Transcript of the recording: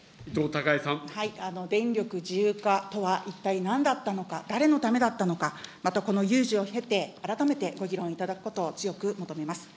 電力自由化とは、一体なんだったのか、誰のためだったのか、またこの有事を経て、改めてご議論いただくこと、強く求めます。